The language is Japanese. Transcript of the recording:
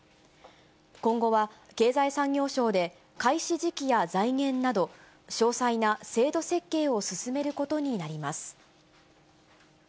今後は経済産業省で開始時期や財源など、詳細な制度設計を進めることになります。